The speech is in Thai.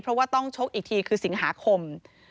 เพราะว่าต้องชกอีกทีคือสิงหาคม